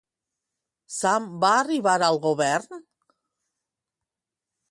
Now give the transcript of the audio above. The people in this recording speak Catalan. Sām va arribar al govern?